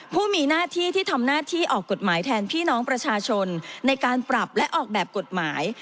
ผู้มีหน้าที่ที่ทำหน้าที่ออกกฎหมายแทนพี่น้องประชาชนในการปรับและออกแบบกฎหมาย